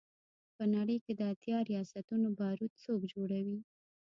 په نړۍ کې د اتیا ریاستونو بارود څوک جوړوي.